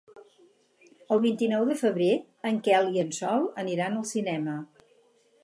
El vint-i-nou de febrer en Quel i en Sol aniran al cinema.